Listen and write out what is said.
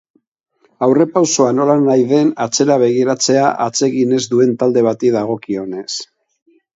Aurrerapausoa, nolanahi den, atzera begiratzea atsegin ez duen talde bati dagokionez.